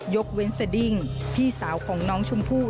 ยกเว้นสดิ้งพี่สาวของน้องชมพู่